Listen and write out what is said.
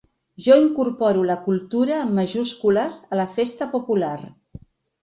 Jo incorporo la cultura amb majúscules a la festa popular.